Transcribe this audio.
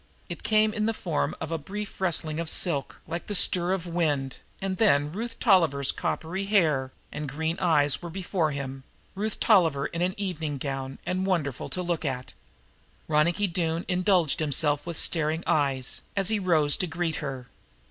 It came in the form of a brief rustling of silk, like the stir of wind, and then Ruth Tolliver's coppery hair and green blue eyes were before him Ruth Tolliver in an evening gown and wonderful to look at. Ronicky Doone indulged himself with staring eyes, as he rose to greet her.